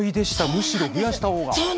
むしろ増やしたほうが。